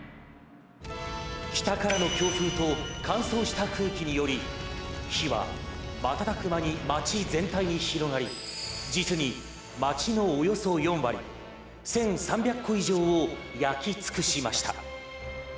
北からの強風と乾燥した空気により火は瞬く間に町全体に広がり実に町のおよそ４割、１３００戸以上を焼き尽くしました。